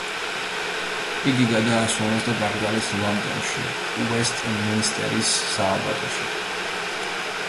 იგი გადაასვენეს და დაკრძალეს ლონდონში, უესტმინსტერის სააბატოში.